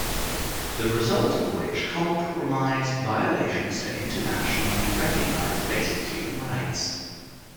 The results of which comprised violations to internationally recognized basic human rights.